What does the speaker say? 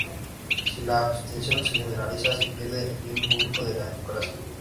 Si la abstención se generaliza se pierde el bien público de la democracia.